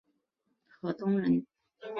河东人。